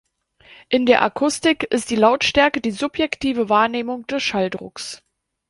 In der Akustik ist die Lautstärke die subjektive Wahrnehmung des Schalldrucks.